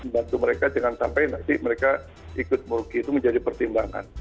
bantu mereka jangan sampai nanti mereka ikut murki itu menjadi pertimbangan